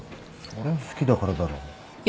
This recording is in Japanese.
そりゃあ好きだからだろ。